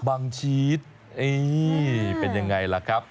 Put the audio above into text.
ชีสเป็นยังไงล่ะครับ